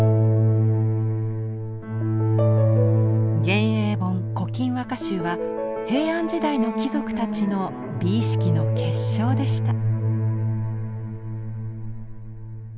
「元永本古今和歌集」は平安時代の貴族たちの美意識の結晶でした。